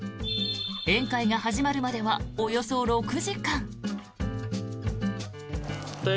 宴会が始まるまではおよそ６時間。